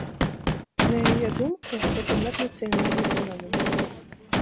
На яе думку, гэта наднацыянальны феномен.